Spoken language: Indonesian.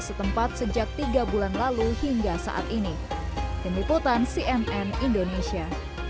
setempat sejak tiga bulan lalu hingga saat ini tim liputan cnn indonesia